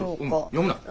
読むな！